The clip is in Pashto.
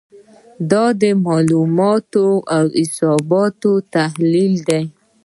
دا د معلوماتو او حساباتو تحلیل دی.